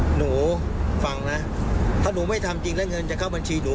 หนูฟังนะถ้าหนูไม่ทำจริงแล้วเงินจะเข้าบัญชีหนู